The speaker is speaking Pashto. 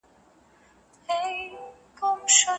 د جرګي غړو به د هیواد د ابادۍ لپاره رښتینې ژمنې کولي.